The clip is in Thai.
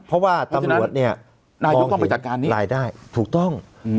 เพราะว่าตำรวจเนี่ยนายกต้องไปจัดการนี้รายได้ถูกต้อง